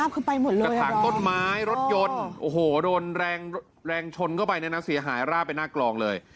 กระถางต้นไม้รถยนต์โอ้โหโดนแรงชนเข้าไปนะครับสีหายราบไปหน้ากลองเลย